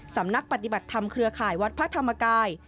สำนักปฏิบัติธรรมเครือข่ายวัดพระธรรมกาย